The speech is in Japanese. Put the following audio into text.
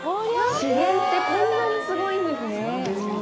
自然ってこんなにすごいんですね！